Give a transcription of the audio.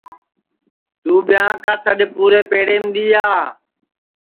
تو بیاں کا سڈؔ پُورے پیڑیم دؔیا